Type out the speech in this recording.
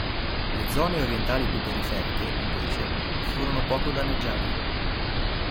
Le zone orientali più periferiche, invece, furono poco danneggiate.